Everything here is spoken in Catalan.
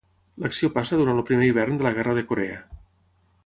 L'acció passa durant el primer hivern de la Guerra de Corea.